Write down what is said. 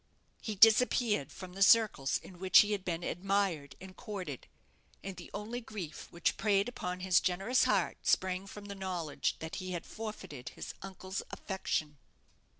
He disappeared from the circles in which he had been admired and courted; and the only grief which preyed upon his generous heart sprang from the knowledge that he had forfeited his uncle's affection."